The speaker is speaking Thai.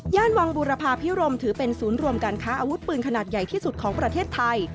วังบุรพาพิรมถือเป็นศูนย์รวมการค้าอาวุธปืนขนาดใหญ่ที่สุดของประเทศไทย